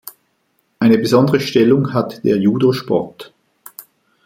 Eine besondere Stellung hat der Judo-Sport.